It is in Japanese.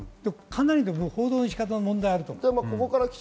報道の仕方に問題があると思います。